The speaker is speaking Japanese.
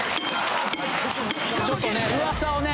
ちょっとね噂をね